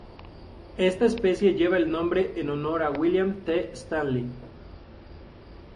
Esta especie lleva el nombre en honor a William T. Stanley.